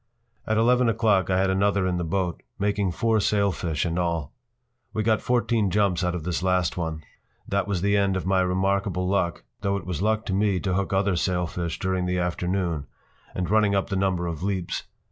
p> At eleven o’clock I had another in the boat, making four sailfish in all. We got fourteen jumps out of this last one. That was the end of my remarkable luck, though it was luck to me to hook other sailfish during the afternoon, and running up the number of leaps.